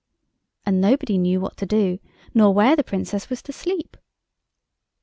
And nobody knew what to do, nor where the Princess was to sleep.